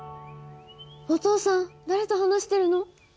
お父さん誰と話してるの？